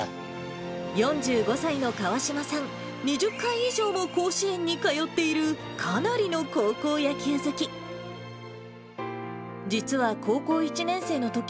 ４５歳のかわしまさん、２０回以上も甲子園に通っている、かなりの高校野球好き。